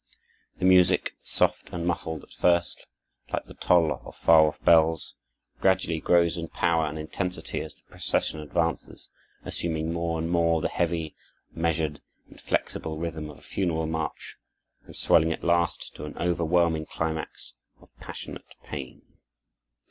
The music, soft and muffled at first, like the toll of far off bells, gradually grows in power and intensity as the procession advances, assuming more and more the heavy, measured, inflexible rhythm of a funeral march, and swelling at last to an overwhelming climax of passionate pain.